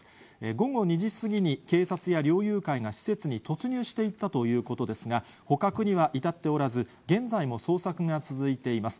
午後２時過ぎに、警察や猟友会が施設に突入していったということですが、捕獲には至っておらず、現在も捜索が続いています。